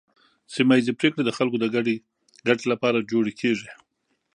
سیمه ایزې پریکړې د خلکو د ګډې ګټې لپاره جوړې کیږي.